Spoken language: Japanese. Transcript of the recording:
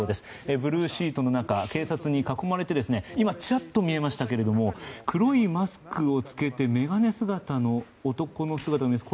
ブルーシートの中警察に囲まれて今、ちらっと見えましたけれども黒いマスクを着けた眼鏡姿の男の姿ですかね。